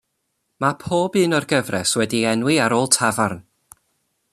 Mae pob un o'r gyfres wedi'i enwi ar ôl tafarn.